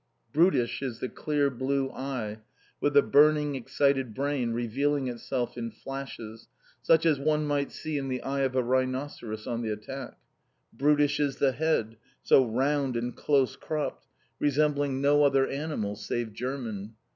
Brutish is the clear blue eye, with the burning excited brain revealing itself in flashes such as one might see in the eye of a rhinoceros on the attack. Brutish is the head, so round and close cropped, resembling no other animal save German.